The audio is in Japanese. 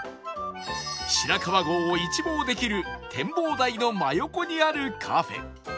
白川郷を一望できる展望台の真横にあるカフェ